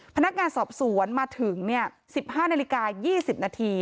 พนักงานสอบสวนมาถึง๑๕นาฬิกา๒๐นาที